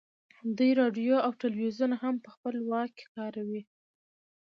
دوی راډیو او ټلویزیون هم په خپل واک کې کاروي